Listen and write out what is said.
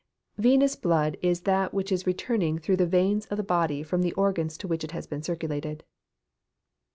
_ Venous blood is that which is returning through the veins of the body from the organs to which it has been circulated.